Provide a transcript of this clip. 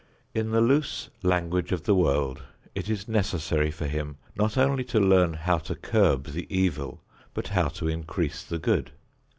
In the loose language of the world, it is necessary for him not only to learn how to curb the evil but how to increase the good.